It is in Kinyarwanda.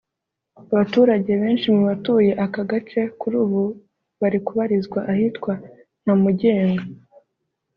Abaturage benshi mu batuye aka gace kuri ubu bari kubarizwa ahitwa Ntamugenga